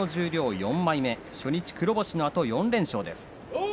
西の十両４枚目初日黒星のあと４連勝です。